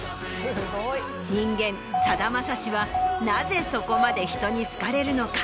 人間さだまさしはなぜそこまで人に好かれるのか？